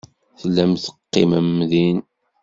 Tellam teqqimem din.